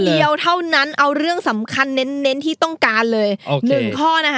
เดียวเท่านั้นเอาเรื่องสำคัญเน้นเน้นที่ต้องการเลยหนึ่งข้อนะคะ